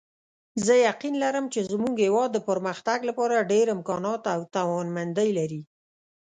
زه یقین لرم چې زموږ هیواد د پرمختګ لپاره ډېر امکانات او توانمندۍ لري